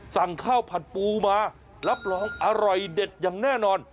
สั่งข้าวผัดปูมารับรองอร่อยเด็ดอย่างแน่นอน